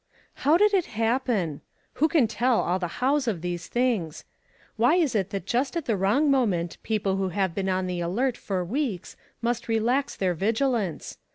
HOW did it happen? Who can tell all the hows of these things? Why is it that just at the wrong moment people who have been on the alert for weeks, must relax their vigilance?